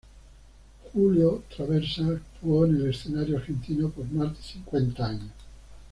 Julio Traversa actuó en el escenario argentino por más de cincuenta años.